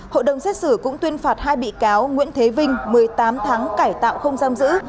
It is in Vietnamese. hội đồng xét xử cũng tuyên phạt hai bị cáo nguyễn thế vinh một mươi tám tháng cải tạo không giam giữ